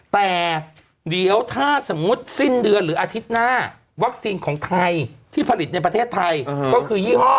แต่เดี๋ยวถ้าสมมุติสิ้นเดือนหรืออาทิตย์หน้าวัคซีนของไทยที่ผลิตในประเทศไทยก็คือยี่ห้อ